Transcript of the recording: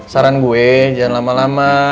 saran gue jangan lama lama